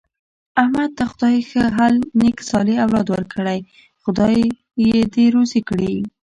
احمد ته خدای ښه حل نېک صالح اولاد ورکړی، خدای یې دې روزي کړي.